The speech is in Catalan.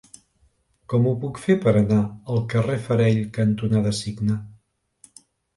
Com ho puc fer per anar al carrer Farell cantonada Cigne?